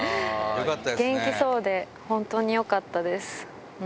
元気そうで、本当によかったです。